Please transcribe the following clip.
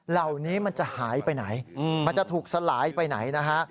เหล่านี้มันจะหายไปไหนมันจะถูกสลายไปไหนนะฮะ